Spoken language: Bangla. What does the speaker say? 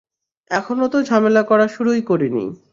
এখনও তো ঝামেলা করা শুরুই করিনি।